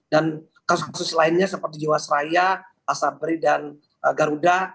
dan kasus kasus lainnya seperti jawa seraya asabri dan garuda